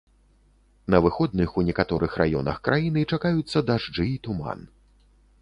На выходных у некаторых раёнах краіны чакаюцца дажджы і туман.